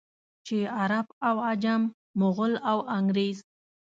چې عرب او عجم، مغل او انګرېز.